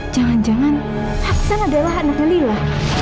jangan jangan hasan adalah anaknya lila